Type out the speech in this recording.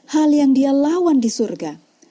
hal yang dia lawan di surga